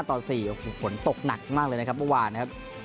ต่อ๔โอ้โหฝนตกหนักมากเลยนะครับเมื่อวานนะครับ